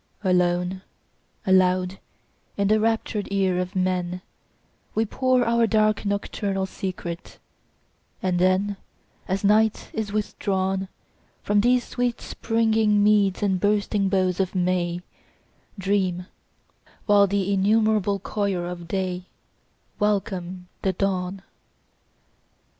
Alone, aloud in the raptured ear of men We pour our dark nocturnal secret; and then, As night is withdrawn 15 From these sweet springing meads and bursting boughs of May, Dream, while the innumerable choir of day Welcome the dawn.